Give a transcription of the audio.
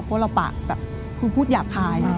เพราะเราปากแบบคือพูดหยาบคาย